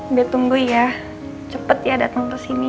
udah tunggu ya cepet ya datang kesini ya